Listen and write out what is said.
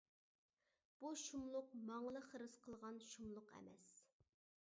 بۇ شۇملۇق ماڭىلا خىرىس قىلغان شۇملۇق ئەمەس.